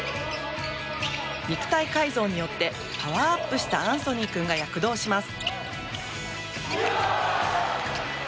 肉体改造によってパワーアップしたアンソニー君が躍動します。